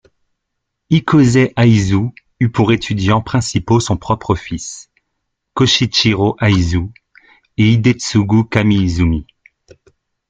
Ikōsai Aizu eut pour étudiants principaux son propre fils, Koshichiro Aizu, et Hidetsugu Kamiizumi.